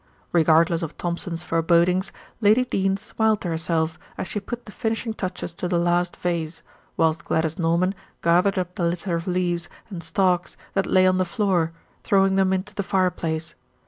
Regardless of Thompson's forebodings, Lady Dene smiled to herself as she put the finishing touches to the last vase, whilst Gladys Norman gathered up the litter of leaves and stalks that lay on the floor, throwing them into the fireplace.